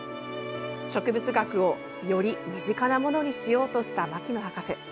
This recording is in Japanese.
植物学をより身近なものにしようとした牧野博士。